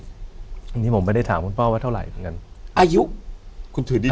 อันนี้ผมไม่ได้ถามคุณพ่อว่าเท่าไหร่เหมือนกัน